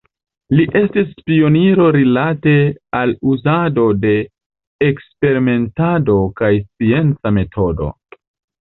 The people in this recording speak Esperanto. Li estis pioniro rilate al uzado de eksperimentado kaj scienca metodo.